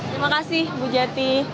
terima kasih bu jati